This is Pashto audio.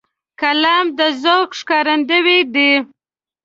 قلم د ذوق ښکارندوی دی